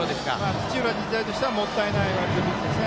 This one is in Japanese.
土浦日大としてはもったいないワイルドピッチですね。